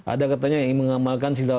ada katanya yang mengamalkan sidawa